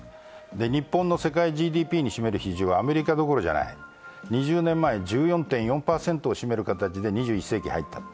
日本の世界ＧＤＰに占める比重はアメリカどころじゃない、２０年前、１４．４％を占める形で２１世紀に入った。